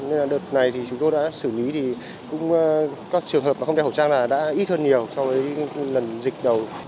nên đợt này chúng tôi đã xử lý các trường hợp không đeo khẩu trang đã ít hơn nhiều so với lần dịch đầu